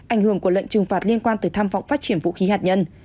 ảnh hưởng của lệnh trừng phạt liên quan tới tham vọng phát triển vũ khí hạt nhân